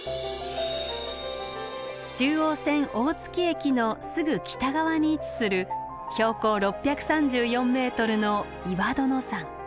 中央線大月駅のすぐ北側に位置する標高６３４ｍの岩殿山。